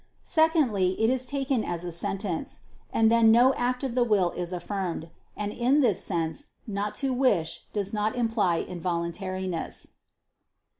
Secondly it is taken as a sentence: and then no act of the will is affirmed. And in this sense "not to wish" does not imply involuntariness.